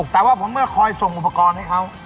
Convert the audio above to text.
แต่ว่าผมก็คอยส่งอุปกรณ์ให้เขา